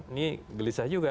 ini gelisah juga